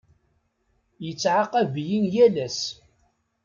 Yettɛaqab-iyi yal ass.